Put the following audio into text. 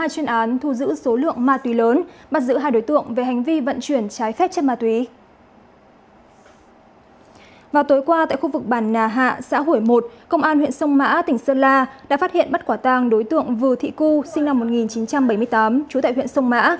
công an huyện sông mã tỉnh sơn la đã phát hiện bắt quả tàng đối tượng vư thị cư sinh năm một nghìn chín trăm bảy mươi tám trú tại huyện sông mã